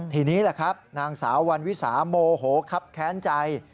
ทีนี้แหละครับนางสาววันวิสาโมโหครับแค้นใจ